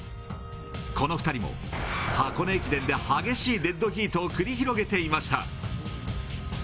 この２人も箱根駅伝で激しいデッドヒートを繰り広げていました。